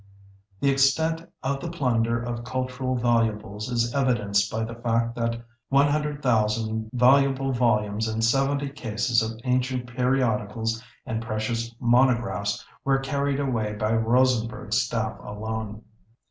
The extent of the plunder of cultural valuables is evidenced by the fact that 100,000 valuable volumes and 70 cases of ancient periodicals and precious monographs were carried away by ROSENBERG'S staff alone.